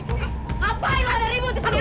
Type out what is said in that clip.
ngapain lo ada ribut di sini ya